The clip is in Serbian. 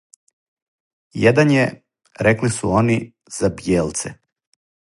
Један је, рекли су они, за бијелце.